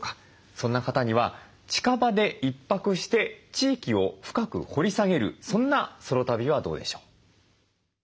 そんな方には近場で１泊して地域を深く掘り下げるそんなソロ旅はどうでしょう。